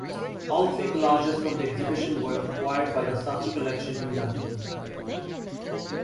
All three collages from the exhibition were acquired by the Saatchi Collection in London.